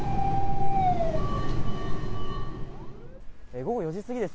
午後４時過ぎです。